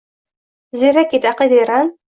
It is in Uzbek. Ziyrak edi, aqli teran